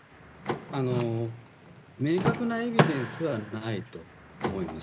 明確なエビデンスはないと思います。